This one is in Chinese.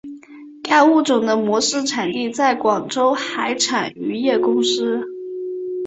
该物种的模式产地在广州海产渔业公司。